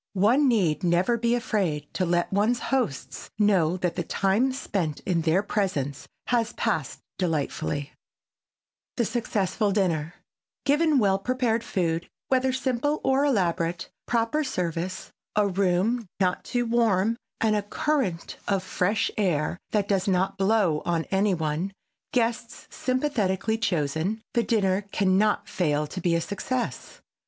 One need never be afraid to let one's hosts know that the time spent in their presence has passed delightfully. [Sidenote: THE SUCCESSFUL DINNER] Given well prepared food, whether simple or elaborate, proper service, a room not too warm and a current of fresh air that does not blow on any one, guests sympathetically chosen, the dinner can not fail to be a success.